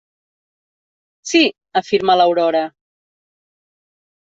Sí —afirma l'Aurora—.